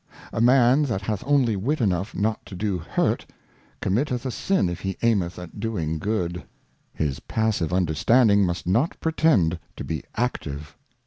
A Man that hath only Wit enough not to do Hurt, com mitteth a Sin if he aimeth at doing Good. His passive Understanding must not pretend to be active.